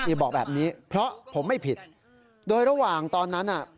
บอกแบบนี้เพราะผมไม่ผิดโดยระหว่างตอนนั้นน่ะ